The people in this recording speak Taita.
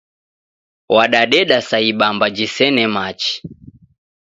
Wadadeda sa ibamba jisene machi.